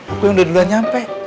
aku yang udah duluan nyampe